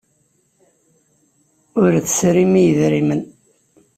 Ur tserrim i yedrimen.